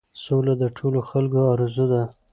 سوله د ټولو خلکو آرزو ده.